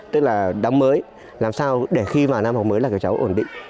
tức là đóng mới làm sao để khi vào năm học mới là các cháu ổn định